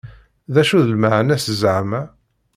D acu d lmeɛna-s zeɛma?